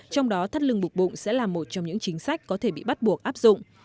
trong đó thắt lưng buộc bụng sẽ là một trong những chính sách có thể bị bắt buộc áp dụng